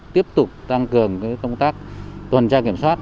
tiếp tục tăng cường công tác tuần tra kiểm soát